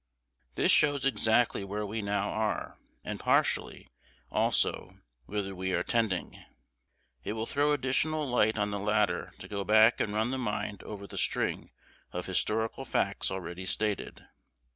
This shows exactly where we now are, and partially, also, whither we are tending. It will throw additional light on the latter to go back and run the mind over the string of historical facts already stated.